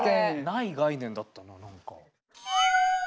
ない概念だったな何か。